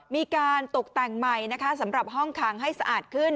มีการตกแต่งใหม่นะคะสำหรับห้องขังให้สะอาดขึ้น